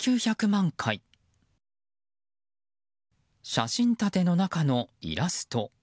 写真立ての中のイラスト。